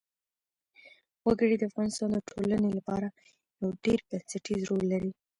وګړي د افغانستان د ټولنې لپاره یو ډېر بنسټيز رول لري.